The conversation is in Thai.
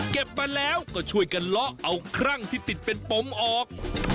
มาแล้วก็ช่วยกันเลาะเอาครั่งที่ติดเป็นปมออก